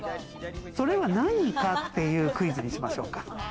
それは何かっていうクイズにしましょうか。